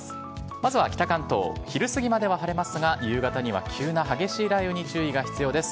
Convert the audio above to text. まずは北関東、昼過ぎまでは晴れますが、夕方には急な激しい雷雨に注意が必要です。